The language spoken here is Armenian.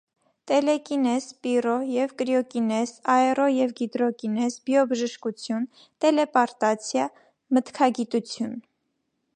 Տելեկինեզ, պիրո և կրիոկինեզ, աերո և գիդրոկինեզ, բիոբժշկություն, տելեպարտացիա, «մտքագիտություն»։